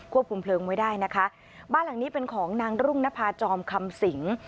คุมเพลิงไว้ได้นะคะบ้านหลังนี้เป็นของนางรุ่งนภาจอมคำสิง